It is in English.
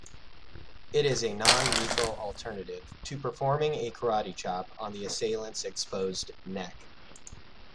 It is a non-lethal alternative to performing a karate-chop on the assailant's exposed neck.